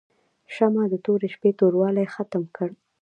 شمعه د تورې شپې توروالی ختم کړ.